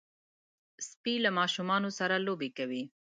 سپي له ماشومانو سره لوبې کوي.